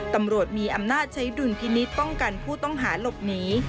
ตำรวจมีอำนาจใช้ดุลพินิษฐ์ป้องกันผู้ต้องหาหลบหนี